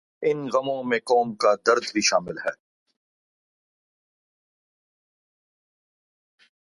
ان غموں میں قوم کا درد بھی شامل ہے۔